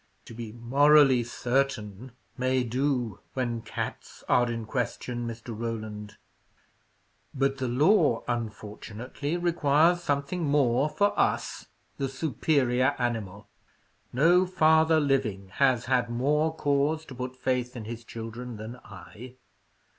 "To be 'morally certain' may do when cats are in question, Mr. Roland; but the law, unfortunately, requires something more for us, the superior animal. No father living has had more cause to put faith in his children than I.